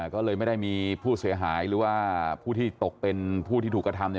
ก็เลยไม่ได้มีผู้เสียหายหรือว่าผู้ที่ตกเป็นผู้ที่ถูกกระทำ